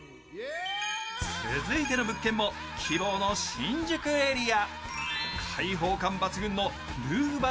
続いての物件も希望の新宿エリア。